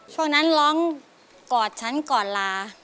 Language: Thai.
ช่วงนั้นร้องกอดฉันกอดลา